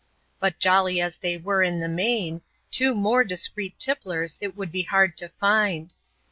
But jolly as they were in the main, two more discreet tipplers it would be hard to find.